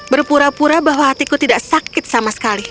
berpura pura bahwa hatiku tidak sakit sama sekali